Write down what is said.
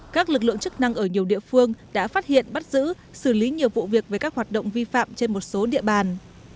các lực lượng chức năng ở nhiều địa phương đã phát hiện bắt giữ xử lý nhiều vụ việc về các hoạt động vi phạm trên một số địa bàn